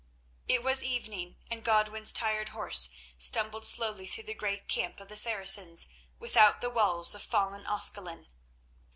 It was evening, and Godwin's tired horse stumbled slowly through the great camp of the Saracens without the walls of fallen Ascalon.